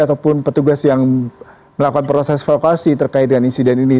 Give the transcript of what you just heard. ataupun petugas yang melakukan proses evakuasi terkait dengan insiden ini